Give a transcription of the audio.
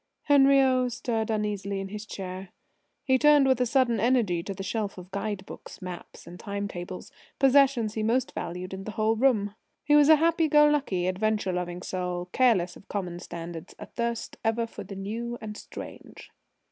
Henriot stirred uneasily in his chair. He turned with sudden energy to the shelf of guide books, maps and time tables possessions he most valued in the whole room. He was a happy go lucky, adventure loving soul, careless of common standards, athirst ever for the new and strange.